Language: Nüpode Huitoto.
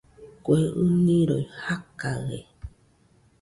Kue ɨniroi jakaɨe